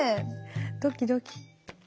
ドキドキ。